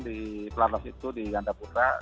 di pelatnas itu di ganda putra